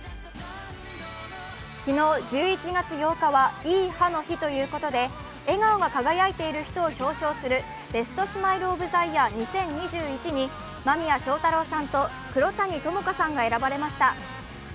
昨日１１月８日はいい歯の日ということで、笑顔が輝いている人を表彰するベストスマイル・オブ・ザ・イヤー２０２１に間宮祥太朗さんと黒谷友香さんが選ばれました。